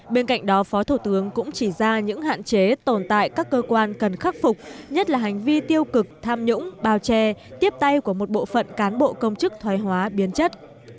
bên cạnh đó phó thủ tướng cũng chỉ ra những hạn chế tồn tại các cơ quan cần khắc phục nhất là hành vi tiêu cực tham nhũng bào chè tiếp tay của một bộ phận cán bộ công chức thoái hóa biến chất